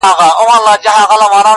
پیاز د کرنې یو لازمي سبزي ده.